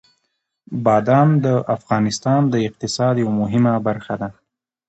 بادام د افغانستان د اقتصاد یوه مهمه برخه ده.